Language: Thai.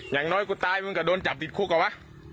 อย่างน้อยกูตายมึงก็โดนจับติดคุกอะวะ